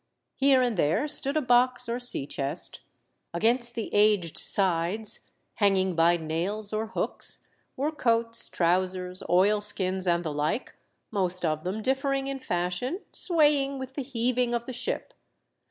Here and there stood a box or sea chest. Against the aged sides, hanging by nails or hooks, were coats, trowsers, oil skins and the like, most of them differing in fashion, swaying with the heaving of the ship.